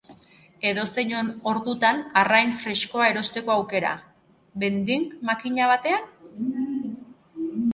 Edozein ordutan arrain freskoa erosteko aukera, vending makina batean?